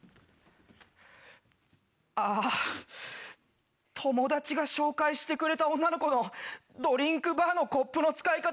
あぁ友達が紹介してくれた女の子のドリンクバーのコップの使い方